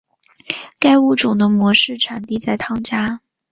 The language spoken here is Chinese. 该物种的模式产地在汤加。